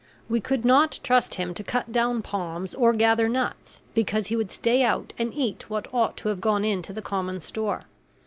We could not trust him to cut down palms or gather nuts, because he would stay out and eat what ought to have gone into the common store.